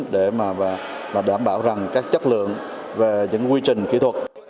để mà đảm bảo rằng các chất lượng về những quy trình kỹ thuật